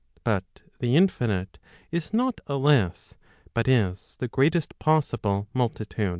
But the infinite is not a Jess, but is the greatest possible multitude.